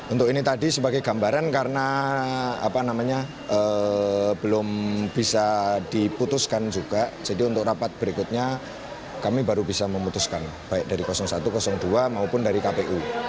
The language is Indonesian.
untuk ini tadi sebagai gambaran karena belum bisa diputuskan juga jadi untuk rapat berikutnya kami baru bisa memutuskan baik dari satu dua maupun dari kpu